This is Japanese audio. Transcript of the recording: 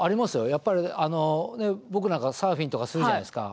やっぱりあのねっ僕なんかサーフィンとかするじゃないですか。